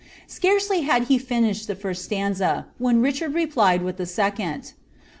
Scarcely had 1 the first stanza,' when Richard replied with the second.